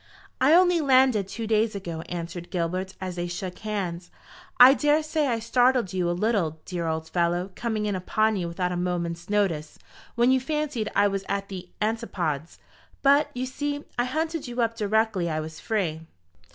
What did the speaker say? "I only landed two days ago," answered Gilbert, as they shook hands. "I daresay I startled you a little, dear old fellow, coming in upon you without a moment's notice, when you fancied I was at the Antipodes. But, you see, I hunted you up directly I was free."